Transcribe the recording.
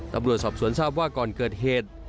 ตำรวจสอบสวนทราบว่าก่อนเกิดเหตุ